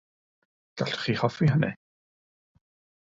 Gallwch chi hoffi hynny.